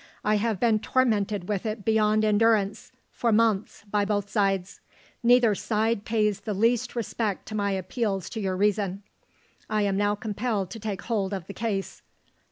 I have been tormented with it beyond endurance, for months, by both sides. Neither side pays the least respect to my appeals to your reason. I am now compelled to take hold of the case.